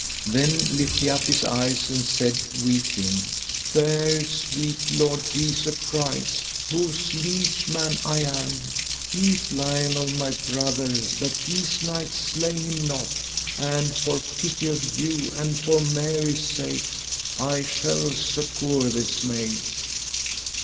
Then lift he up his eyes and said weeping: Fair sweet Lord Jesu Christ, whose liege man I am, keep Lionel, my brother, that these knights slay him not, and for pity of you, and for Mary's sake, I shall succour this maid.